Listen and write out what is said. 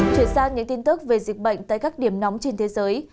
chuyển sang những tin tức về dịch bệnh tại các điểm nóng trên thế giới